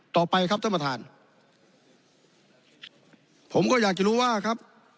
ต่อไปครับท่านประธานผมก็อยากจะรู้ว่าครับ